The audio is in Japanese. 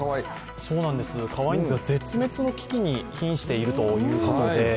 かわいいんですよ、絶滅の危機にひんしているということで。